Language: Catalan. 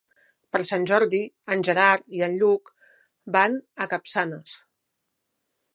Per Sant Jordi en Gerard i en Lluc van a Capçanes.